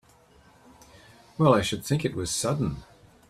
Well I should think it was sudden!